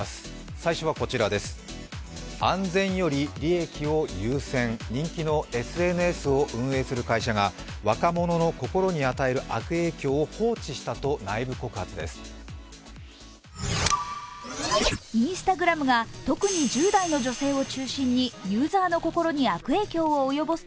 最初はこちら、安全より利益を優先人気のＳＮＳを運営する会社が若者の心に与える悪影響を放置したと内部告発です。